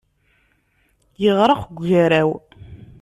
Yeɣreq deg ugaraw.